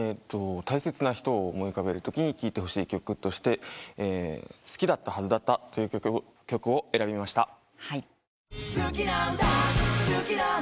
大切な人を思い浮かべるときに聴いてほしい曲として『好きだった』という曲を選びました。